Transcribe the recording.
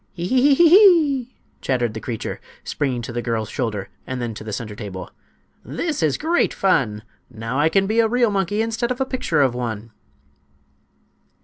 "He he he he he!" chattered the creature, springing to the girl's shoulder and then to the center table. "This is great fun! Now I can be a real monkey instead of a picture of one."